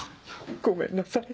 ごめんなさい。